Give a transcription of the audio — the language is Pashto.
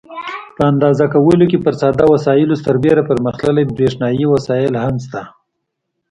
په اندازه کولو کې پر ساده وسایلو سربیره پرمختللي برېښنایي وسایل هم شته.